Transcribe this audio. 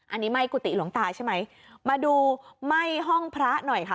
อันนี้ไหม้กุฏิหลวงตาใช่ไหมมาดูไหม้ห้องพระหน่อยค่ะ